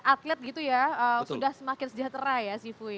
atlet gitu ya sudah semakin sejahtera ya sifu ya